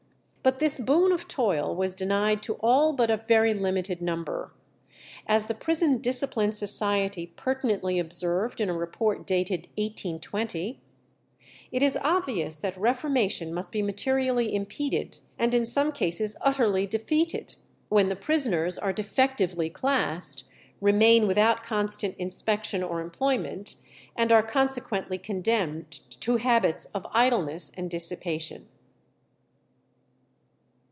But this boon of toil was denied to all but a very limited number. As the Prison Discipline Society pertinently observed in a report dated 1820, "It is obvious that reformation must be materially impeded, and in some cases utterly defeated, when the prisoners are defectively classed, remain without constant inspection or employment, and are consequently condemned to habits of idleness and dissipation."